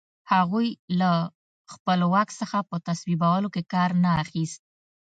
هغوی له خپل واک څخه په تصویبولو کې کار نه اخیست.